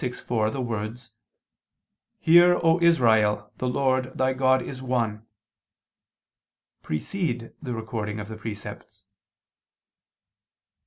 6:4), the words, "Hear, O Israel, the Lord thy [Vulg.: 'our'] God is one," precede the recording of the precepts.